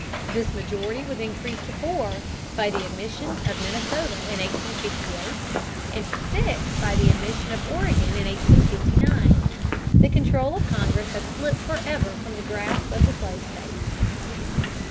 This majority was increased to four by the admission of Minnesota in 1858, and to six by the admission of Oregon in 1859. The control of Congress had slipped forever from the grasp of the slave states.